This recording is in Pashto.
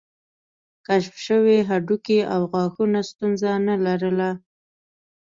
کشف شوي هډوکي او غاښونه ستونزه نه لرله.